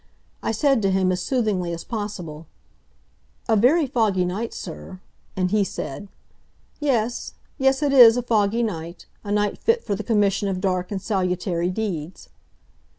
I said to him, as soothingly as possible, 'A very foggy night, sir.' And he said, 'Yes—yes, it is a foggy night, a night fit for the commission of dark and salutary deeds.